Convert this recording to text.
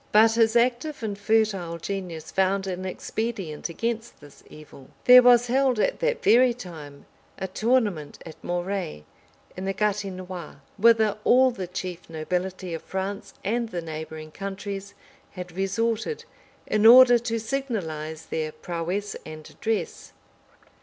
But his active and fertile genius found an expedient against this evil. There was held at that very time a tournament at Moret, in the Gatinois; whither all the chief nobility of France and the neighboring countries had resorted, in order to signalize their prowess and address.